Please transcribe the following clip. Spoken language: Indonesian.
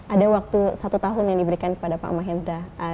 ada waktu satu tahun yang diberikan kepada pak mahendra